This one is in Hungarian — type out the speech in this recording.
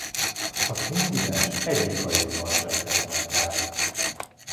Az incidens egyik hajóban sem tett nagy kárt.